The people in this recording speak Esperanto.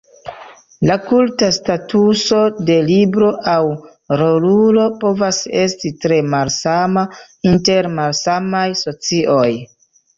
La kulta statuso de libro aŭ rolulo povas esti tre malsama inter malsamaj socioj.